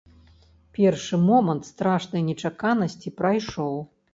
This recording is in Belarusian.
Першы момант страшнай нечаканасці прайшоў.